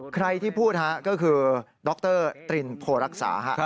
ใครที่พูดฮะก็คือดรตรินโพรักษา